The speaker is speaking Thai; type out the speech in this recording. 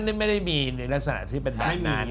อ๋อนั่นไม่ได้มีในลักษณะที่เป็นใดนั้น